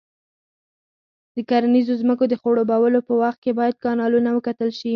د کرنیزو ځمکو د خړوبولو په وخت کې باید کانالونه وکتل شي.